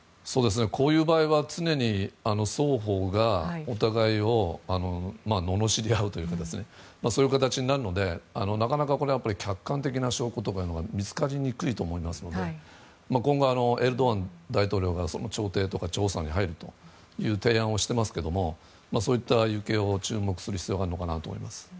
こういう場合は常に双方がお互いを罵り合うというかそういう形になるのでなかなかこれは客観的な証拠とかは見つかりにくいと思うので今後、エルドアン大統領が調停とか調査に入るという提案をしていますけどもそういったものにも注目する必要があるのかなと思います。